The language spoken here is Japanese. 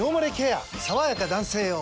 さわやか男性用」